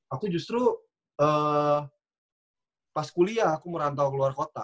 aku justru pas kuliah aku merantau ke luar kota